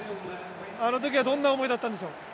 あのときはどんな思いだったんでしょう？